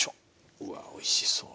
うわおいしそう。